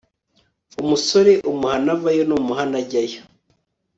umusore umuhana avayo ntumuhana ajyayo